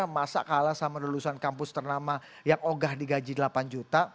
masa kalah sama lulusan kampus ternama yang ogah di gaji delapan juta